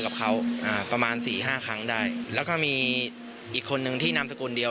กับเขาอ่าประมาณสี่ห้าครั้งได้แล้วก็มีอีกคนนึงที่นามสกุลเดียว